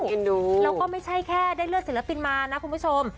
เอ็นดูแล้วก็ไม่ใช่แค่ได้เลือกศิลปินมานะคุณผู้ชม